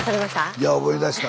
いや思い出した。